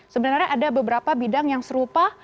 sebenarnya ada beberapa bidang yang serupa